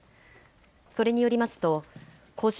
それによりますと個人